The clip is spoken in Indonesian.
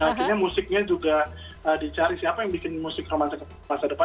akhirnya musiknya juga dicari siapa yang bikin musik romansa ke masa depan